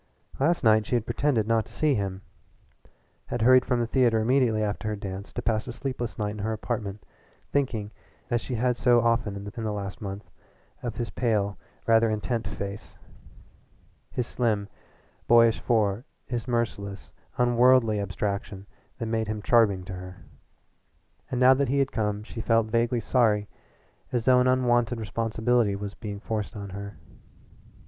Last night she had pretended not to see him had hurried from the theatre immediately after her dance to pass a sleepless night in her apartment, thinking as she had so often in the last month of his pale, rather intent face, his slim, boyish fore, the merciless, unworldly abstraction that made him charming to her. And now that he had come she felt vaguely sorry as though an unwonted responsibility was being forced on her.